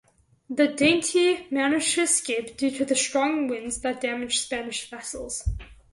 The "Dainty" managed to escape due to the strong winds that damaged Spanish vessels.